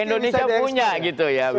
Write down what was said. indonesia punya gitu ya